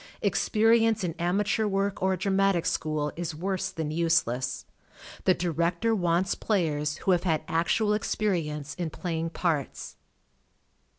p]xperience in amateur work or a dramatic school is worse than use less. The director wants players who have had actual experience in playing parts.